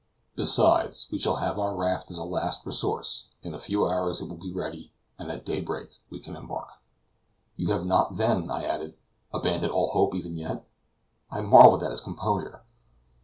Besides, we shall have our raft as a last resource; in a few hours it will be ready, and at daybreak we can embark." "You have not, then," I added, "abandoned all hope even yet?" I marveled at his composure.